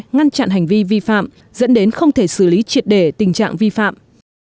ngăn chặn hành vi vi phạm dẫn đến không thể xử lý triệt đề tình trạng vi phạm